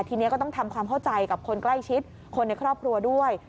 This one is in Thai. ทีนี้ก็ต้องทำความเข้าใจกับคนใกล้ชิดคนในครอบครัวด้วย